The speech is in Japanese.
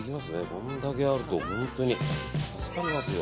これだけあると助かりますよ。